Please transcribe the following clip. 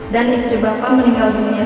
dan istri bapak meninggal dunia